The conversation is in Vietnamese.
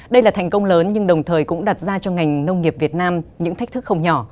đây là thành công lớn nhưng đồng thời cũng đặt ra cho ngành nông nghiệp việt nam những thách thức không nhỏ